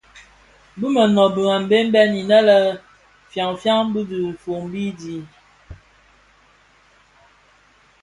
Bi mënōbi a Mbembe innë fyan fi dhifombi di.